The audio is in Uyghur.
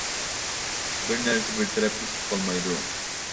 بىر نەرسە بىر تەرەپكە كېتىپ قالمايدۇ.